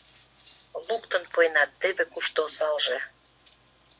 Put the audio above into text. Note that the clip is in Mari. Луктын пуэнат — теве кушто осалже!